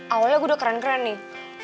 awalnya gue udah keren keren nih